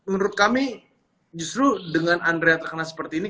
menurut kami justru dengan andrea terkena seperti ini